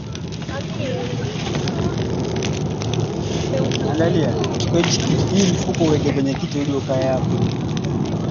Magreth alimuuliza Jacob kama alionana na familia ya mzee Ruhala